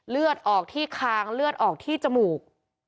เลือดออกที่คางเลือดออกที่จมูก